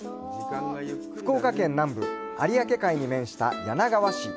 福岡県南部、有明海に面した柳川市。